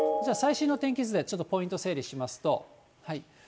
最新の天気図でちょっとポイント整理しますと。